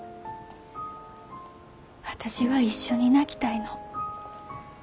私は一緒に泣きたいの。